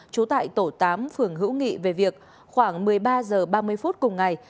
trú tại tổ tám phường hữu nghị về việc khoảng một mươi ba h ba mươi phút cùng ngày